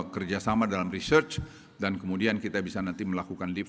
kerj vivoasama dalam research dan kemudian kita bisa nanti melakukan mikromanja